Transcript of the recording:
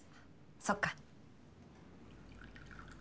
そっか。